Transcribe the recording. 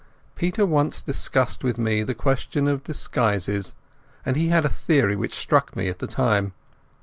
Peter once discussed with me the question of disguises, and he had a theory which struck me at the time.